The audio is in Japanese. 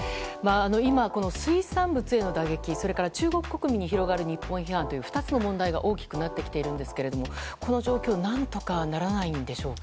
今、水産物への打撃それから中国国民に広がる日本批判という２つの問題が大きくなってきていますがこの状況何とかならないんでしょうか。